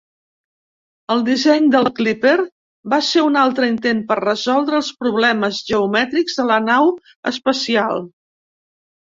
El disseny del Kliper va ser un altre intent per resoldre els problemes geomètrics de la nau espacial.